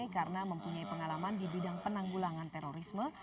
karena mempunyai pengalaman di bidang penanggulangan terorisme